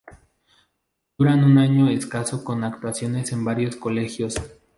Duran un año escaso con actuaciones en varios colegios.